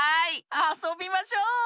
あそびましょう！